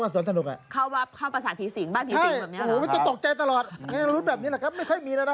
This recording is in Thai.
ไม่ต้องตกใจตลอดยังรู้แบบนี้แหละครับไม่ค่อยมีแล้วนะ